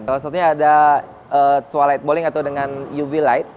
salah satunya ada twilight bowling atau dengan uv light